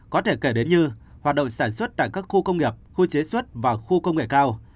có thể kể đến như hoạt động sản xuất tại các khu công nghiệp khu chế xuất và khu công nghệ cao